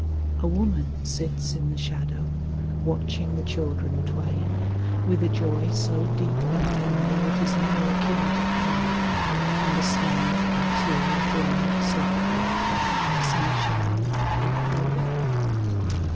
A woman sits in the shadow Watching the children twain. With a joy so deep and tender It is near akin to pain, And a smile and tear blend softly — Sunshine and April rain